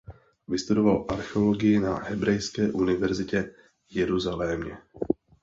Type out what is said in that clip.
Vystudoval archeologii na Hebrejské univerzitě Jeruzalémě.